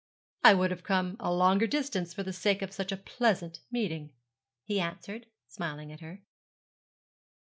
'I would have come a longer distance for the sake of such a pleasant meeting,' he answered, smiling at her.